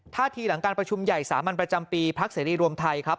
ทีหลังการประชุมใหญ่สามัญประจำปีพักเสรีรวมไทยครับ